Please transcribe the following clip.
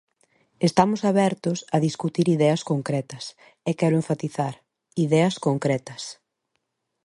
Estamos abertos a discutir ideas concretas, e quero enfatizar: ideas concretas.